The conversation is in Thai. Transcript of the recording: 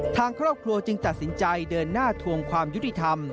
ทางครอบครัวจึงตัดสินใจเดินหน้าทวงความยุติธรรม